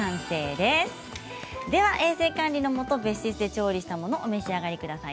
では衛生管理のもと別室で調理したものをお召し上がりください。